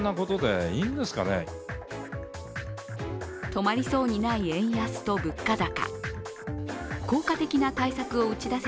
止まりそうにない円安と物価高。